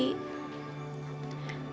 aku masukin ke hati